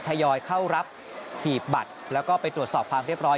ทยอยเข้ารับหีบบัตรแล้วก็ไปตรวจสอบความเรียบร้อย